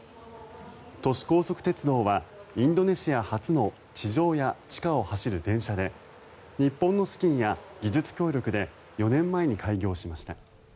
都市高速鉄道はインドネシア初の地上や地下を走る電車で日本の資金や技術協力で４年前に開業しました。